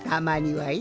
はい！